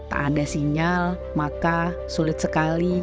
tak ada sinyal maka sulit sekali